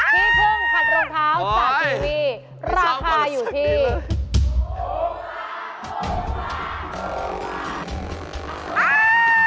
ที่พุ่งขัดรองเท้าจากกีวีราคาอยู่ที่